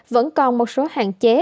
vẫn còn một số hạn chế